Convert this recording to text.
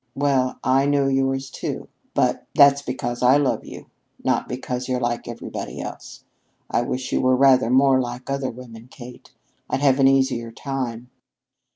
"Well, I know yours, too, but that's because I love you, not because you're like everybody else. I wish you were rather more like other women, Kate. I'd have an easier time."